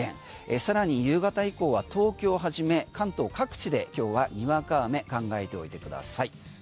さらに夕方以降は東京をはじめ関東各地で今日はにわか雨考えておいてください。